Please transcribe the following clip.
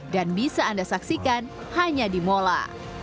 dan bisa anda saksikan hanya di mola